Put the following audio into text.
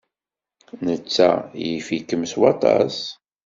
Netta yif-ikem s waṭas.